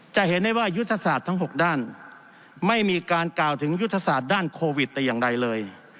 จะเห็นได้ว่ายุทธศาสตร์ทั้ง๖ด้านไม่มีการกล่าวถึงยุทธศาสตร์ด้านโควิดแต่อย่างใดเลย